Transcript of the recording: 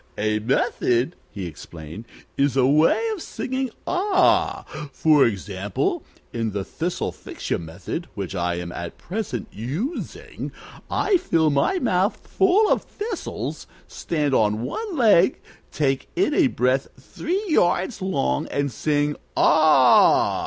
"A method," he explained, "is a way of singing 'Ah!' For example, in the Thistlefixu Method, which I am at present using, I fill my mouth full of thistles, stand on one leg, take in a breath three yards long, and sing 'Ah!'